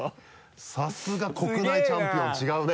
さすが国内チャンピオン違うね。